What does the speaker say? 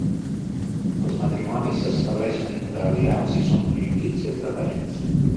Els matrimonis s'estableixen entre aliats i són prohibits entre parents.